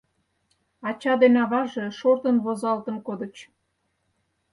Ача ден аваже шортын возалтын кодыч.